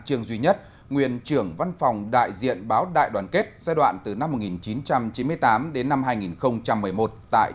trương duy nhất nguyên trưởng văn phòng đại diện báo đại đoàn kết giai đoạn từ năm một nghìn chín trăm chín mươi tám đến năm hai nghìn một mươi một tại